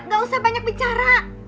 nggak usah banyak bicara